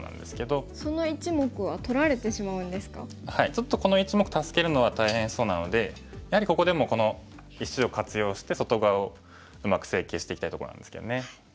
ちょっとこの１目助けるのは大変そうなのでやはりここでもこの石を活用して外側をうまく整形していきたいところなんですけどね。